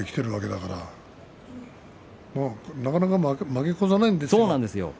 なかなか負け越さないんですよね。